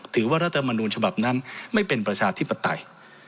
ถือว่ารัฐธรรมนูลฉบับนั้นไม่เป็นประชาธิปไตย